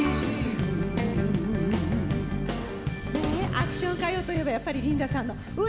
アクション歌謡といえばやっぱりリンダさんの「ウララウララ」聴きたい。